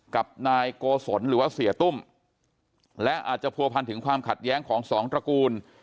กับนายโกศลหรือว่าเสียตุ้มและอาจจะผัวพันถึงความขัดแย้งของสองตระกูล